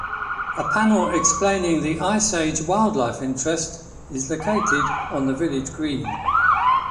A panel explaining the Ice Age wildlife interest is located on the village green.